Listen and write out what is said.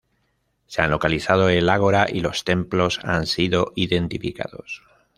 Se han localizado el ágora y los templos han sido identificados.